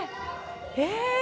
え？